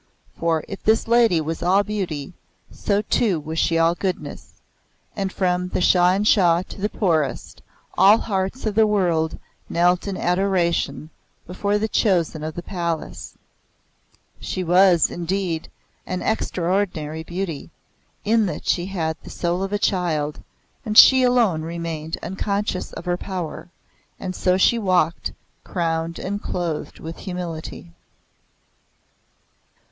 For if this lady was all beauty, so too she was all goodness; and from the Shah in Shah to the poorest, all hearts of the world knelt in adoration, before the Chosen of the Palace. She was, indeed, an extraordinary beauty, in that she had the soul of a child, and she alone remained unconscious of her power; and so she walked, crowned and clothed with humility.